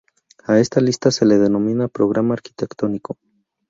A esta lista se le denomina "Programa Arquitectónico".